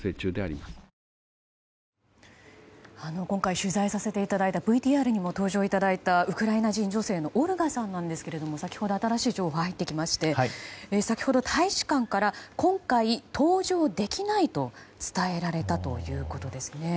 今回、取材させていただいたＶＴＲにも登場いただいたウクライナ人女性のオルガさんですが先ほど新しい情報が入ってきて先ほど大使館から今回、搭乗できないと伝えられたということです。